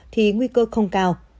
thì nguy cơ không cao